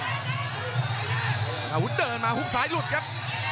ฆาตาวุฒิเดินมาหุ้งซ้ายหลุดครับ